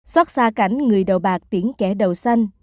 xót xa cảnh người đầu bạc tiễn kẻ đầu xanh